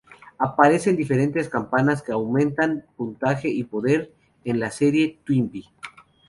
Aparecen diferentes campanas que aumentan puntaje y poder como en la serie "Twinbee".